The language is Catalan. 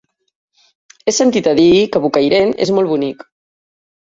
He sentit a dir que Bocairent és molt bonic.